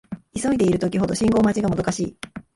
急いでいる時ほど信号待ちがもどかしい